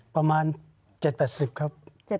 ประมาณ๗๘๐ครับ